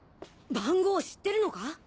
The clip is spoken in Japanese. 番号を知ってるのか？